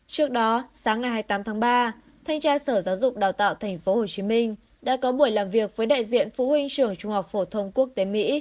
trước đó sáng ngày hai mươi tám tháng ba thanh tra sở giáo dục đào tạo tp hcm đã có buổi làm việc với đại diện phụ huynh trường trung học phổ thông quốc tế mỹ